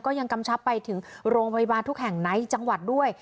ยังกำชับไปถึงโรงพยาบาลทุกแห่งในจังหวัดด้วย